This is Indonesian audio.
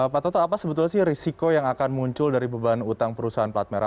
pak toto apa sebetulnya sih risiko yang akan muncul dari beban hutang perusahaan platmera